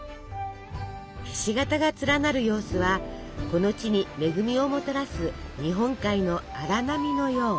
ひし形が連なる様子はこの地に恵みをもたらす日本海の荒波のよう。